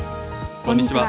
こんにちは。